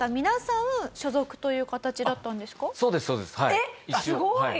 皆さん所属という形だったんですか？